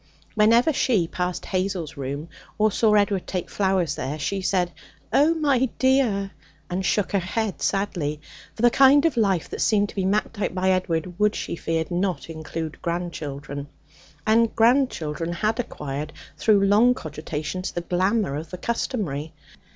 Whenever she passed Hazel's room, or saw Edward take flowers there, she said, 'Oh, my dear!' and shook her head sadly. For the kind of life that seemed to be mapped out by Edward would, she feared, not include grandchildren. And grandchildren had acquired, through long cogitations, the glamour of the customary.